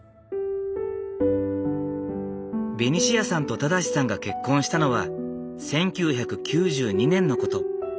ベニシアさんと正さんが結婚したのは１９９２年のこと。